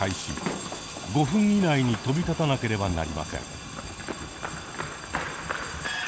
５分以内に飛び立たなければなりません。